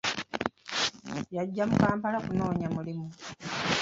Yajja mu akampala kunoonya mulimu.